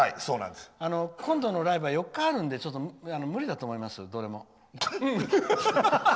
今度のライブは４日あるので無理だと思います、どれも。